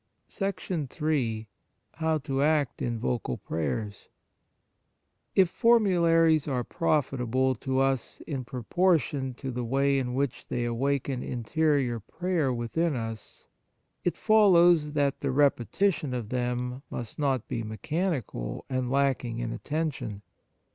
Vocal Prayers III How to Act in Vocal Prayers If formularies are profitable to us in proportion to the way in which they awaken interior prayer within us, it follows that the repetition of them must not be mechanical and lacking in attention.